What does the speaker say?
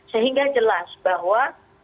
sehingga jelas bahwa